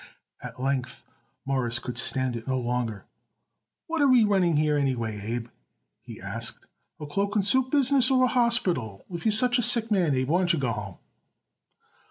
At length Morris could stand it no longer. "What are we running here, anyway, Abe?" he asked. "A cloak and suit business or a hospital? If you are such a sick man, Abe, why don't you go home?"